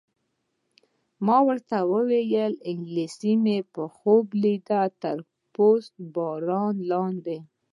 ما ورته وویل: انګلېسي خوب مې لیده، تر پست باران لاندې.